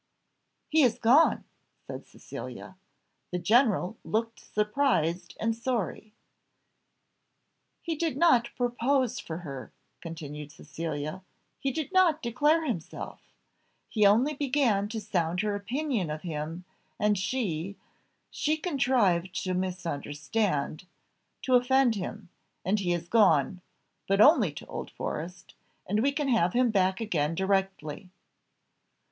"He is gone!" said Cecilia. The general looked surprised and sorry. "He did not propose for her," continued Cecilia, "he did not declare himself he only began to sound her opinion of him, and she she contrived to misunderstand to offend him, and he is gone, but only to Old Forest, and we can have him back again directly."